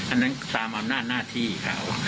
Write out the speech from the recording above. อันนั้นตามอำนาจหน้าที่เขา